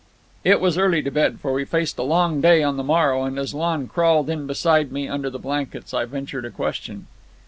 It was early to bed, for we faced a long day on the morrow; and as Lon crawled in beside me under the blankets, I ventured a question.